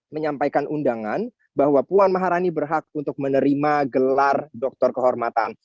menyampaikan bahwa moral mahrani berhak untuk menerima gelar dr kehormatan